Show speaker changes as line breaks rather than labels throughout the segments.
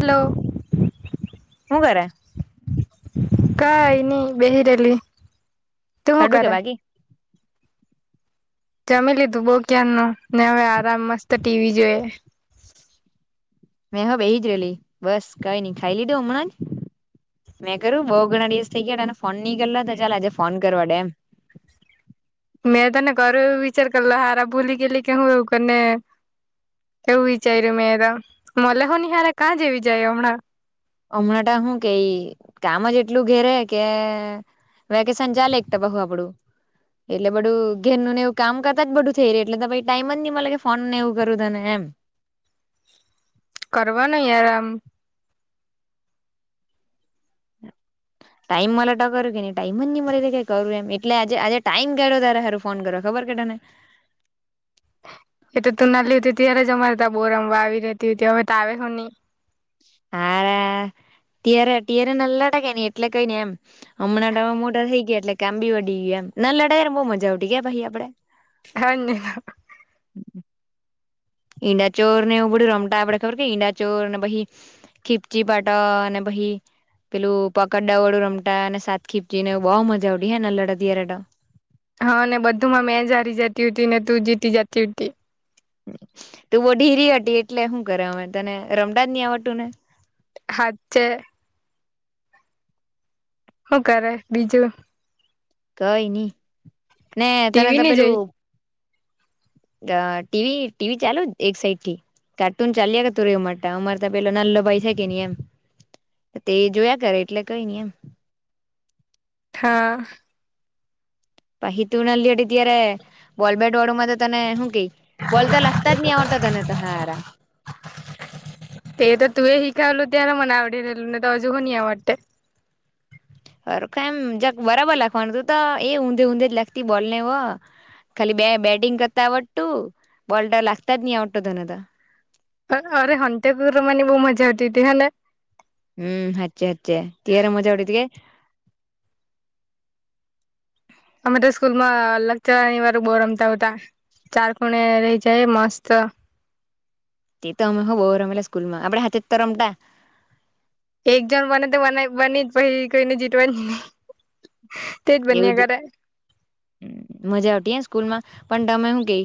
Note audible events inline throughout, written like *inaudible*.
Blow.
હું કરે?
કઈ ની બેહીરેલી.
ખાધું કે બાકી?
જમી લીધું બઉ ક્યારનું ને હવે આરામ મસ્ત ટીવી જોઈએ.
મે હવ બેહી જ રેલી બસ કઈ નઈ ખાઈ લીધુ હમણાં જ. મેં કરું બઉ ઘણા દિવસ થઇ ગયાને આને ફોનની કરલો તો ચાલ આજે ફોન કરવા ડે એમ. *inaudible*
મેં તને ઘર વિચાર કરલો હારા ભૂલી ગેલી કે હું એવું કેને. એવું વિચાર્યું મેં ત મલેહન હાાલ કાં જેવી જાય હમણાં.
હમણાં ટા શું કેઈ કામ જ એટલું ઘેરે કે વેકેસન ચાલે એક તો બહુ આપડું. એટલે બધું ઘેરનું ને એવું કામ કરતા જ બધું થઈ રે એટલે તો ભાઈ ટાઈમ જ નહીં મલે કે ફોન ને એવું કરું તને એમ. *inaudible*
કરવા ના યાર આમ.
*inaudible* ટાઈમ મને ટો કરું કે નઈ ટાઈમ જ નહી મળે કે કઈ કરવું એમ એટલે આજે આજે ટાઈમ કાઢો તારા હારુ ફોન કરવા ખબર કે તન *inaudible*
એ તો તું ના લીધતી ત્યારે જ અમારે ત્યા બો રમવા આવી રતી હતી હમે તો આવે હવ નહી
હાલા *unintelligible* એટલે કઈ ને એમ હમણાંતો હવે મોટા થઈ ગયા એટલે કામબી વધી ગયુ એમ ના લડાઈ ને બહુ મજા આવતી કે ભાઈ આપડે
*unintelligible*
*inaudible* ઈંડાચોર ને એવું બધું રમતા આપડે ખબર કે ઈંડા ચોરને પછી ખીપચી પાટા અને પહી પેલું પકડદાવ ઓલુ રમતા અને સાતખીપચી ને એવું બઉુ મજા આવતી *unintelligible*
હા ને બધુંમાં મેં જ હારી જતી હતી ને તું જીતી જતી હતી
તું બઉ ઢીરી હટી એટલે હું કરે અમે તને રમતાજ ની આવડતુંને
હાચે હું કરે બીજું
કઈ નઈ ને તને
ટીવી
તો
ની જોઈ
પેલું ટીવી ટીવી ચાલુ એક સાઈડ થી કાર્ટૂન ચાલ કે તું રમ અમાર તો પેલો નાલો ભાઈ શકે નહી એમ તે જોયા કરે એટલે કઈ નઈ એમ
હા
પછી તુ નાની હતી ત્યારે બોલ બેટ વાળું માં તો તને શું ક બોલ તો લાગતા જ નહી તને તો હારા
તે તો તું એ શીખાવેલું ત્યારે મને આવડી રહેલું ને તો હજુ નહી આવડે
અરે કે એમ બરાબર નાખવાનું તું તો એ ઊંધે ઊંધે જ નાખતી બોલ ને હો ખાલી બે બ બેટિંગ કરતા આવડતું બોલ તો નાખતા જ નહી આવડતો તને તો
અરે સંતાકુકડી રમાવાની બહુ મજા આવતી હતી હને
હમ હાચે હાચે તય્યારે મજા આવતી હતી કે *unintelligible*
અમે તો સ્કૂલ માં લગચની વાર બોર રમતા હોતા *unintelligible* ચાર કોણ રહી જાય મસ્ત
તે તો અમે હ બહુ રમેલા સ્કૂલમાં આપડ હાથે રમતા
એક જણ બને તો બ બની જ પી કોઈને જીતવા જ નહી *unintelligible*
એવું
બન્યા
જ
કરે
મજા આવતી સ્કૂલમાં પણ તમે શું કે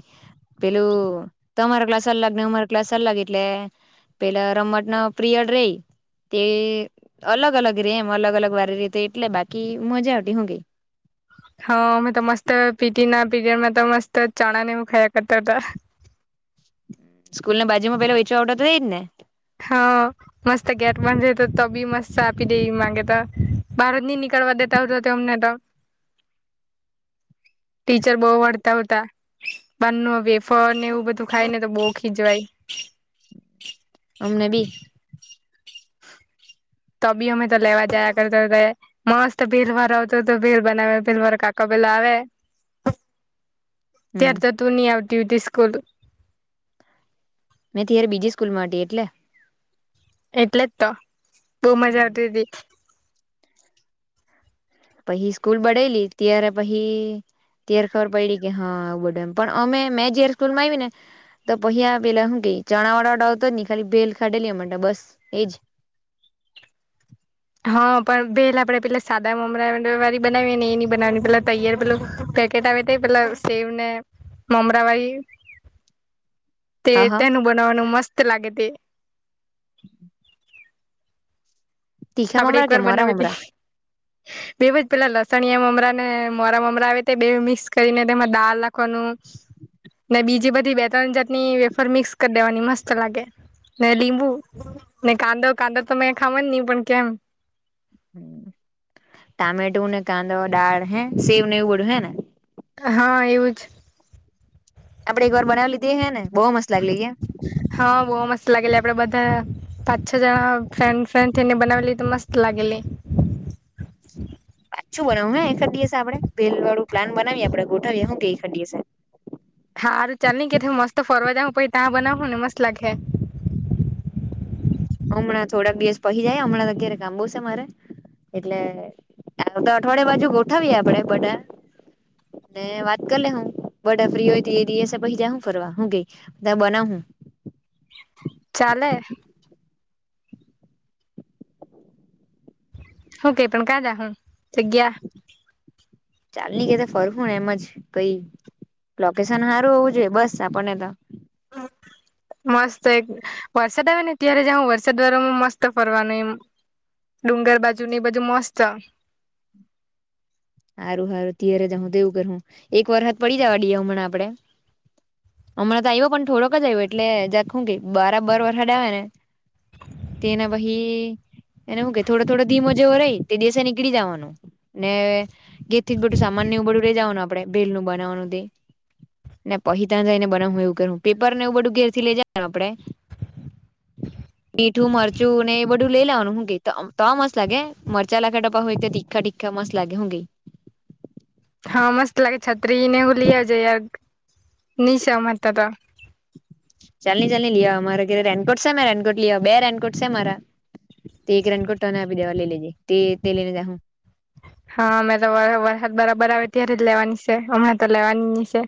પેલું તો અમારા ક્લાસ અલ્લાગ ને અમારો ક્લાસ અલ્લાગ એટલે પેલા રમત ના પીરીયડ રહી તે અલગ અલગ રે એમ અલગ અલગ વાળ રેતે એટલે બાકી મજા આવતી હું ગઈ
હા મે ત મસ્ત પીટી ના પીરયડમાં તો મસ્ત ચણા ને હું ખાયા કરતા હતા
સ્કૂલ ના બાજુમા પેલો વેચો આવતો હતો એજ ને
હા મસ્ત ગેટ બંધ હતો તોબી મસ્ત આપી દેતો હતો બહાર જ નહી નીકળવા દેતા હોતો અમને તો
*unintelligible*
ટીચર બહુ વળતા હોતા બહાર નું વેફર એવું બધું ખાય ને તો બહ ખીજવાય
*unintelligible* અમને બી
તો બીમે તો લેવા જયા કરતો મસ્ત ભેળ વાળો આવતો તો ભેળ બનાવે ભેળ વાળા કાકા એલાવે
*unintelligible*
ત્યારે તો તું નહી આવતી હો હતી સ્કૂલ
મે તયાર બીજી સ્કૂલ માં એટલે
એટલે જ તો બહુ મજા આવતી હતી
પહી સ્કૂલ બડેલી ત્યારે પછી ત્યારે ખબર પડીડી કે હા આવું બધું એમ પણ અમે મેં જય સ્કૂલ માં આવી ને તો પહ્યા પેલા હું કે ચણા વાડા વાળ આવતો જ ન ખાલી ભેલ ખાઢેલી અમે તો બસ એજ
હા પણ ભેળ આપડે પેલા સાદા મમરા વાડી બનાવીએ ને એ નહીં બનાવાની પેલા તૈયાર પેલું પેકેટ આવે તે પેલા સેવ ને મમરા વાળી
*inaudible*
તે
હા હા
તેનું બનાવવાનું મસ્ત લાગે તે
*inaudible* તીખા
આપડે
મમરા કે મોરા મમરા
બેવજ પેલા લસણિયા મમરા ને મોરા મમરા આવે તે બેઉ મિક્સ કરીને તેમાં દાળ રાખવાનું ને બીજી બધી બે ત્રણ જાાટણી વેફર મિક્સ કરી દેવાની મસ્ત લાગે ને લીંબુ ને કાંદો કાંદો તો મે ખાવા નહી પણ કેમ
ટામેટું ને કાંદો દાળ હે સેવ ને એવું બધું હે ને
હા એવું જ
આપડે એક વાર બનાવી લીધી તે હે ને બહુ મસ્ત લાગે લી કે
હા બહુ મસ્ત લાગેલી આપડે બધા પાંચ છ જણા ફ્રેન્ડ ફ્રેન્ડ થઈને બનાવેલી તો મસ્ત લાગેલી
*inaudible* પાછું બનાવું હે એકાદ દિવસ આપડે ભેલ વાળું પ્લાન બનાવીએ આપે ગોઠવીએ હું કઈ એકખદ દિવસે
હા અ ચાલ ની કે હું મસ્ત ફરવા જઈ પછી ત્યાં બનાવ હુ ને મસ્ત લાગેે
હમણાં થોડાક દિવસ પહી જાય હમણાં અગરે કામ બો છે મારે એટલે આ તો અઠવાડિયા બાજુ ગોઠવીએ આપડે બધા વાત કરી લે હું બટા ફ્રી હોય એ દિવસે પહી જા હું ફરવા હું કે ત્યાં બનાહુ *inaudible*
ચાલે હું કે પણ કા જા હું જગ્યા
ચાલી ની કેથે ફરહું એમ જ કઈ લોકેશન હારું હોવું જોઈએ બસ આપણને તો
મસ્ત એક વરસાદ આવે ને ત્યારે જહુ વરસાદ વારમાં મસ્ત ફરવાનું એમ ડુંગર બાજુની બધું મસ્ત
*inaudible* હારું હારું ત્યારે જહું તો એવું કરહું એક વારહાદ પડી જવા દીયે હમણા આપડે હમણાં તો આવ્યો પણ થોડોક જ આવ્યો એટલે જખું કે બાર બર વરહાદ આવે ને તેના વહી એને હું કે થોડો થોડો ધીમો જેવો રહી તે દેસે નીકળી જવાનું ને ગેર થી બટું સામાન એ બડું લઈ જવાનું આપડે બેલ નું બનાવવાનું તે ને પહી તને જઈ ને બને હું એવું કરું પેપર ને એવું બધું ઘેર થી લઇ જ ને આપડે *inaudible* મીઠું મરચું ને એ બધું લઈ લેવાનું હું કે તો મસ્ત લાગે મરચા લાખે તો હુ તે તીખા તીખા તો મસ્ત લાગે હુ કે
હા મસ્ત લાગે છત્રી ને એ બધું લી આવજે *unintelligible*
ચલની ચલની લઈ આવ મારે ઘેર રેનકોટ છે ને રેનકોટ લી આવા બે રેનકોટ છે મારા તે એક રેનકોટ તને આપી દેવા લે લયજે
હા મે તો વર વરહદ વરહદ આવે ત્યારે જ લેવાની છે હમણાં તો લેવાની ની સે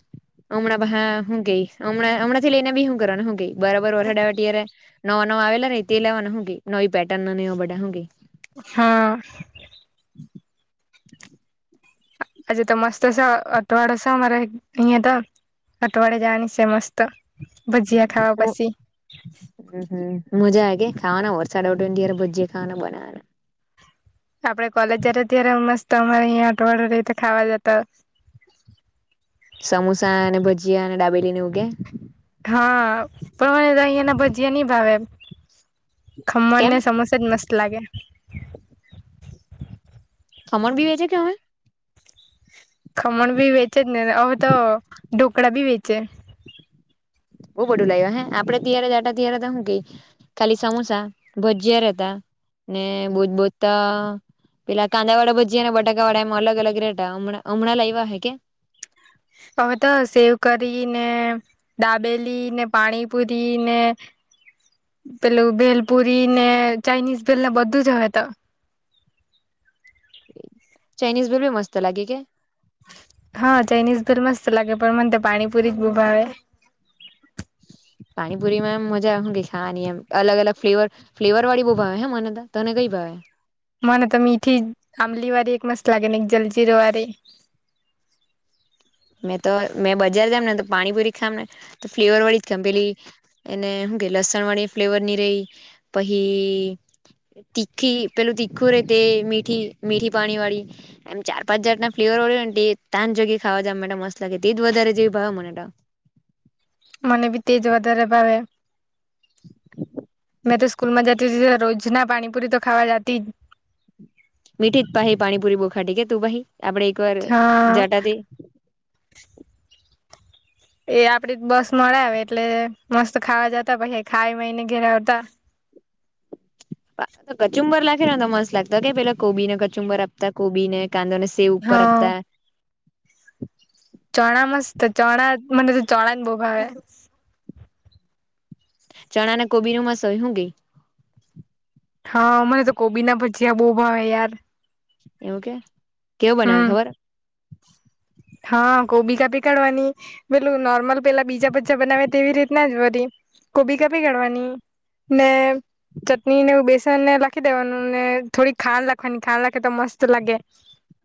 *inaudible* હમણાં હા હું કે હમણાં હમણાંથી લઈને બી હુ કરવાો ને હું કે બરાબર વરહાદ આવફા ત્યારે નો નવો આવે લો રે તે લેવાનો હુ કે નવી પેટન ને એવા બધા હુ કે
હા આજે તો મસ્ત સે અઠવાડો સે અમારે અહી તો અટવાડે જની સમસ્ત ભજીયા ખાવા
ગઈ
પસી
હમ મજા આ કે ખા સાડાય ભુજએ ખ બના
આપડે કોલેજ જયારે જ્યારે મસ્ત તો અરે અહીિયાયા અઠવાડિયું રહી તો ખાવા જતા
સમોસા અને ભજીયા અને ડાબેલી ઉ કે
હા પણ અહીિયાયાનાઙ ભજીયા નહી ભાવે એમ ખમણ
કેમ
ને સમોસા જ મસ્ત લાગે
ખમણ ભી વેચે કે હય
ખમણ ભી વેચે જ ને તો ઢોકળા ભી વેચે
બઉ બધું લાગ્યું હ આપડે તયરે જાા ત હતા શું ક ખાલી સમોસા ભજીયાહતા ને બહજ બોજતા પેલા કાંદા વાળા ભજીયાઅને બટાકા વાળા એમાં અલગ અલગ રેટ હમણાં લાવવા હે કે
હવે તો સેવ પુરી ને દાબેલી ને પાણીપુરી ને પેલું ભેલપુરી ને ચાાઈનીઝ ભેલને બધું જ હ તો
ચાઇનીઝ બલ ભી મસ્ત લાગે કે
હા ચાઇનીઝ ભેલમસ્ત લાગે પણ મને તો પાણીપુરી જ બી ભાવે
*inaudible* પાણીપુરીમાં એમ મજા આવેા ની એમ અલગ અલગ ફ્લેવર ફ્લેવર વાળ બહુ ભાવે હ મને તને કઈ ભાવ હ
મને તો મીઠી આંમલી વા એક મસ્ત લાગે એક જલજીીરો વા.
*inaudible* મેં તો મેં બજાર જામ ને તો પાણીપુરી ખામ ને તો ફ્લેવર વળી જ ખામ પેલી એને શ કે લસણ વાળી ફ્લેવર ની રહી પછી તીખી પેલું તીખું રે તે મીઠી મીઠી પાણી વાળી એમ ચાર પાંચ હજાર ના ફ્લેવર તજગી ખાવા જ મસલા કેજ વધારે જેવી ભાવ મને
મને બી તેજ વધારે ભાવે
*inaudible*
મેં તો સ્કૂલ માં જતી હતી રોજ ના પાણીપુરી તો ખાવા જતી જ
મીઠી જ પાહી પાણીપુરી બોખાટીી કેે તું ભહી આપડે એક વાર
જ હા
જાટાથી
એ આપડી બસ મળે આવે એટલે મસ્ત ખાવા જતા પછી ખાઈ એને ઘેરે આવતા
*inaudible* ે મત લાગતો કે પેલા કોબીને કચુંબર આપતા કોબી ને કાંદો ને સેવ ઉપર
હા
આપતા *inaudible*
ચણા મસ્ત ચણા મને તો ચણા બહુ ભાવે
ચણા ને કોબી નુંમાં સયું ગઈ
હા મને તો કોબી ના ભજીયા બહુ ભાવે યાર
એવું કે કેવ બનાવે
હમ
ખબર
હા કોબી કાપી કાડવાની પેલું નોર્મલ પેલા બીજા બા બનાવે તેવી રીતના જ વરી કોબી કાપી ગડવાની ને ચટણી ને બેસન ને રાખી દેવાનું ને થોડી ખાલ રાખવાની ખાલ રાખે તો મસ્ત લાગે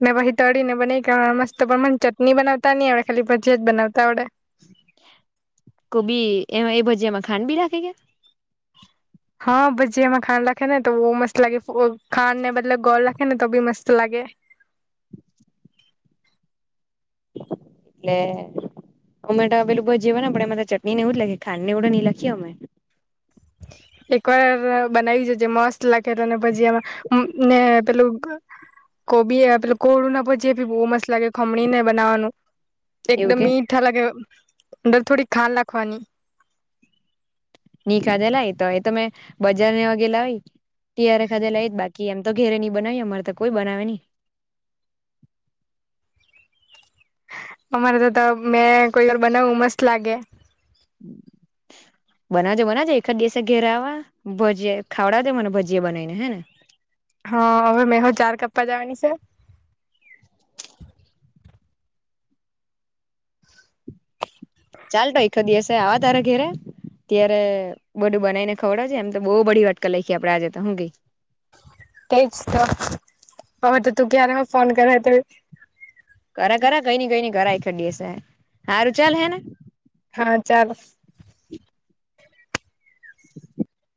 મેં પછી તળી ને બના મસ્ત પણ મને ચટણી બનાવતા નહી આવેડે ખાલી ભજી જ બનાવતા આવડે
કોબી એમાં એ ભજીમાં ખાંડ બી રાખે કે
હા ભજીયામાં ખાડ રાખે ને તો મસ્ત લાગે ખાડ ને બલબ ગોળ રાખે ને તો બી મસ્ત લાગે ે
એટલે અમેટા હવે બ જેવા ને પણ એમાં તો ચટણી ને એવું જ લખે ખાંડ ને એડ નહીં લખીએ અમે
એકવાર બનાવી છેજ મસ્ત લાગે તોને પછી આમાં ને પેલું કોબી એ પે કોળું ના પ જે ભી બહુ મસ્ત લાગે ખમણી ને બનાવાનું
એવું
એકદમ
કે
મીઠા લાગે અંદર થોડી ખાલ રાખવાની
નીખાધે લય તો એ તમે બજારને એવા ગેઇલા હોઈ ત્યારે ખડેલા એજ બાકી એમ તો ઘેરે નહી બનાવી અમારે તો કોઈ બનાવે નહી. *inaudible*
અમારે તો મેં કોઈ વાર બનાવું મસ્ત લાગે.
*inaudible* બનાવજો બનાજો એકદ દિવસે ઘેરાવા ભજીયા ખાવડાવ દે મને ભજી બનાવીને હે ને?
હા હવે મેહો ચાર કપપા જવાની છે.
ચાલ તો એક દિવસે આવા તારેા ઘેરે ત્યારે બધું બનાઈ ને ખવડે છે એમ તો બહુ બધી વાત કર લખીએ આપડે આજે તો હું કેઈ?
તે જ તો હવે તો તું ક્યા રહ ફોન કરે.
કર કર કઈ ન કઈ ઘ આખડી હશે હારું ચાલ હે ને
હા ચાલ.
*inaudible*